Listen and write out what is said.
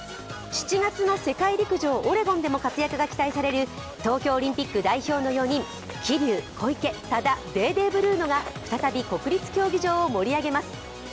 ７月の世界陸上オレゴンでも活躍が期待される東京オリンピック代表の４人、桐生、小池、多田、デーデー・ブルーノが再び国立競技場を盛り上げます。